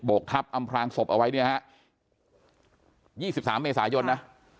บวกคับอำพรางศพเอาไว้ยี่สิบสามเมษายนนะ